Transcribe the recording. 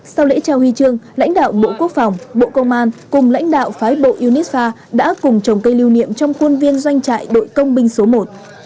sau lễ trao huy chương lãnh đạo bộ quốc phòng bộ công an cùng lãnh đạo phái bộ unisha đã cùng trồng cây lưu niệm trong khuôn viên doanh trại đội công binh số một